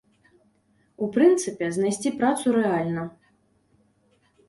У прынцыпе, знайсці працу рэальна.